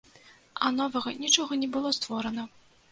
А новага нічога не было створана.